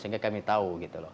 sehingga kami tahu gitu loh